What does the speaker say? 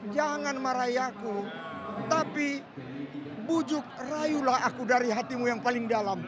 jangan merayaku tapi bujuk rayulah aku dari hatimu yang paling dalam